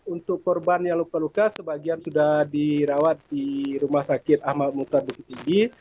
untuk korban yang luka luka sebagian sudah dirawat di rumah sakit ahmad muhtar bukit tinggi